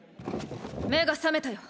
目が覚めたよ。